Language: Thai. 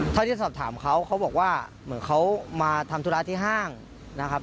เท่าที่สอบถามเขาเขาบอกว่าเหมือนเขามาทำธุระที่ห้างนะครับ